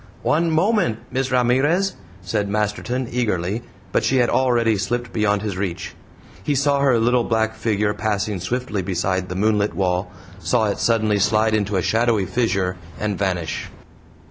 "One moment, Miss Ramirez," said Masterton, eagerly; but she had already slipped beyond his reach. He saw her little black figure passing swiftly beside the moonlit wall, saw it suddenly slide into a shadowy fissure, and vanish.